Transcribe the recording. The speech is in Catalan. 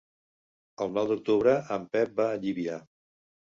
El nou d'octubre en Pep va a Llívia.